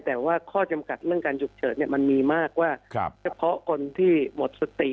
แต่ว่าข้อจำกัดเรื่องการฉุกเฉินมันมีมากว่าเฉพาะคนที่หมดสติ